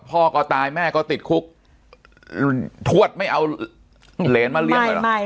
พ่อก็ตายแม่ก็ติดคุกทวดไม่เอาเหรนมาเลี้ยงเลยเหรอ